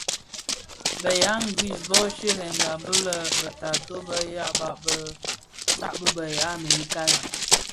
Bë ya ngris bö sherènga lè be taatôh bë dyaba bë saad bë bë ya Amerika.